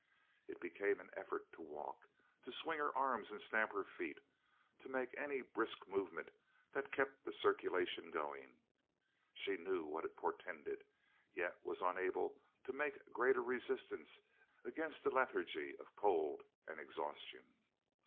It became an effort to walk, to swing her arms and stamp her feet, to make any brisk movement that kept the circulation going. She knew what it portended, yet was unable to make greater resistance against the lethargy of cold and exhaustion.